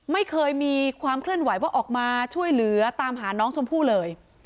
ไม่เคยมีความเคลื่อนไหวว่าออกมาช่วยเหลือตามหาน้องชมพู่เลย